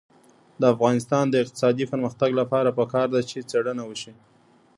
د افغانستان د اقتصادي پرمختګ لپاره پکار ده چې څېړنه وشي.